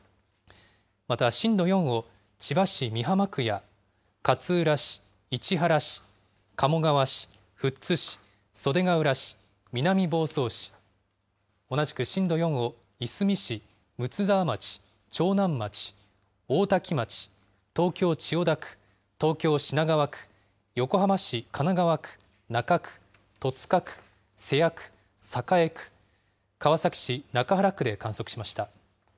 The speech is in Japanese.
また、震度４を千葉市美浜区や勝浦市、市原市、鴨川市、富津市、袖ケ浦市、南房総市、同じく震度４をいすみ市、睦沢町、長南町、大多喜町、東京・千代田区、東京・品川区、横浜市神奈川区、中区、戸塚区、瀬谷区、栄区、川崎市中原区で観測しました。